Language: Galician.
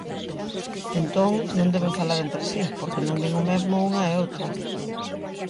Entón, non deben falar entre si, porque non din o mesmo unha e outra.